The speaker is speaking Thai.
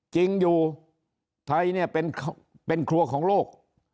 จริงอยู่ไทยเนี่ยเป็นครัวของโลก